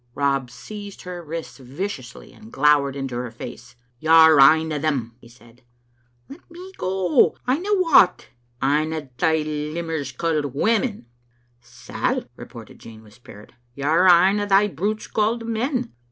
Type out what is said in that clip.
Rob seized her wrists viciously and glowered into her face. " You're ane o* them," he said. " Let me go. Ane o' what?" "Ane o' thae limmers called women." "Sal," retorted Jean with spirit, "you're ane o* thae brutes called men.